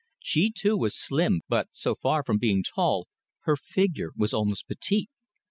She, too, was slim, but so far from being tall, her figure was almost petite.